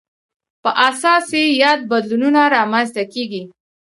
پر اساس یې یاد بدلونونه رامنځته کېږي.